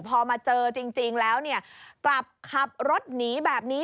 พอมาเจอจริงแล้วเนี่ยกลับขับรถหนีแบบนี้